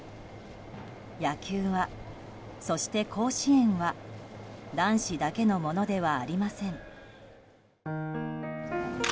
野球は、そして甲子園は男子だけのものではありません。